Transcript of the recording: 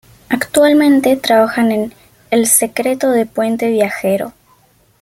Actualmente trabaja en "El secreto de Puente Viejo".